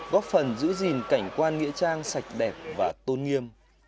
góp phần giữ gìn cảnh quan nghĩa trang sạch đẹp và tôn nghiêm